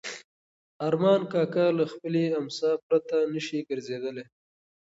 ارمان کاکا له خپلې امسا پرته نه شي ګرځېدلی.